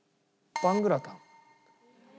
パングラタン。